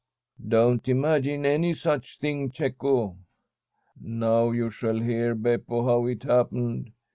* Don't imagine any such thing, Cecco.' * Now you shall hear, Beppo, how it happened.